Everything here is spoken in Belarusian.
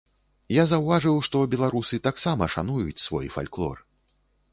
Я заўважыў, што беларусы таксама шануюць свой фальклор.